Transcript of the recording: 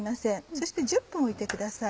そして１０分置いてください。